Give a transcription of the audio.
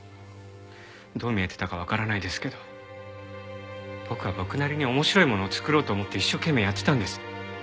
どう見えてたかわからないですけど僕は僕なりに面白いものを作ろうと思って一生懸命やってたんです。